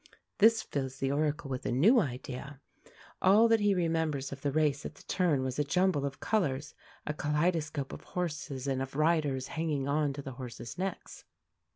This fills the Oracle with a new idea. All that he remembers of the race at the turn was a jumble of colours, a kaleidoscope of horses and of riders hanging on to the horses' necks.